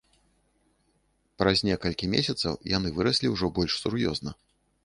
Праз некалькі месяцаў яны выраслі ўжо больш сур'ёзна.